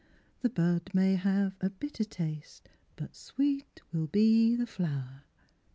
The bud may have a bitter taste, But sweet will be the flower